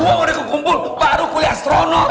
uang udah kekumpul baru kuliah astronot